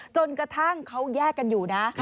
จนกระทั่งเขาแยกกันอยู่นะ